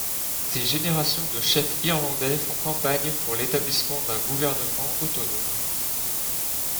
Des générations de chefs irlandais font campagne pour l'établissement d'un gouvernement autonome.